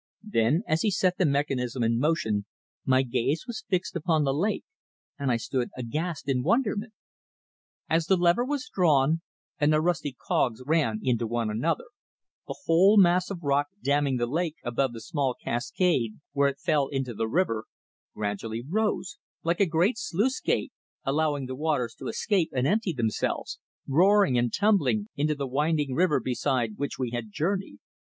Then, as he set the mechanism in motion, my gaze was fixed upon the lake and I stood aghast in wonderment. As the lever was drawn and the rusty cogs ran into one another, the whole mass of rock damming the lake above the small cascade where it fell into the river, gradually rose, like a great sluice gate, allowing the waters to escape and empty themselves, roaring and tumbling, into the winding river beside which we had journeyed.